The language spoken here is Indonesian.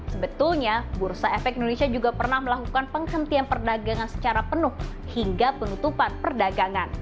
sebetulnya bursa efek indonesia juga pernah melakukan penghentian perdagangan secara penuh hingga penutupan perdagangan